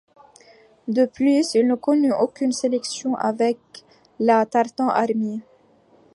De plus, il ne connut aucune sélection avec la Tartan Army.